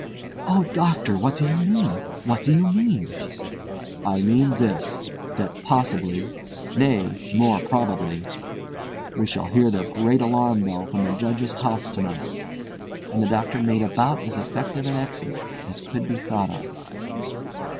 "Oh, Doctor, what do you mean? What do you mean?" "I mean this; that possibly—nay, more probably—we shall hear the great alarm bell from the Judge's House tonight," and the Doctor made about as effective an exit as could be thought of.